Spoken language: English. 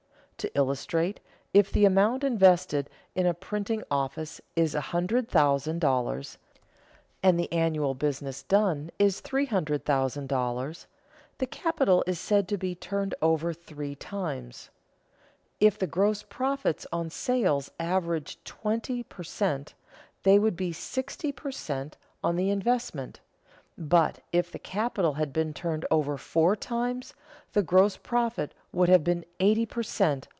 To illustrate: if the amount invested in a printing office is $100,000, and the annual business done is $300,000, the capital is said to be turned over three times; if the gross profits on sales averaged twenty per cent., they would be sixty per cent. on the investment; but, if the capital had been turned over four times, the gross profit would have been eighty per cent.